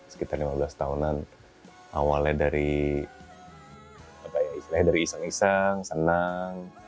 sekitar lima belas tahunan awalnya dari iseng iseng senang